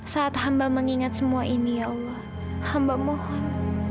saat hamba mengingat semua ini ya allah hamba mohon